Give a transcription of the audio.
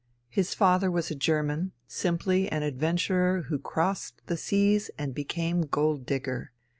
His father was a German simply an adventurer who crossed the seas and became gold digger.